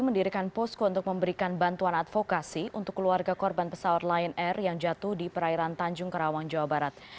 mendirikan posko untuk memberikan bantuan advokasi untuk keluarga korban pesawat lion air yang jatuh di perairan tanjung kerawang jawa barat